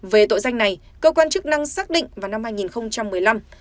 về tội danh này cơ quan chức năng xác định vào năm hai nghìn một mươi năm